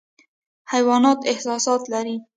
حیوانات احساسات لري